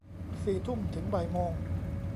สี่ทุ่ม ถึงบ่ายโมง